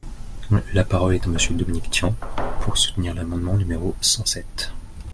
La parole est à Monsieur Dominique Tian, pour soutenir l’amendement numéro cent sept.